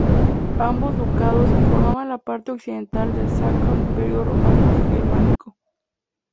Ambos ducados formaban la parte occidental del Sacro Imperio Romano Germánico.